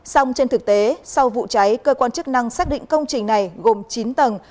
xong trên thực tế sau vụ cháy cơ quan chức năng xác định công trình này gồm chín tầng